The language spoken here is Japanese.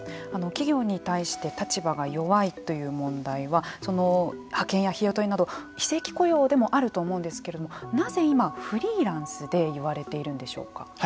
企業に対して立場が弱いという問題は派遣や日雇いなど非正規雇用でもあると思うんですけれどもなぜ今フリーランスで言われているんでしょうか。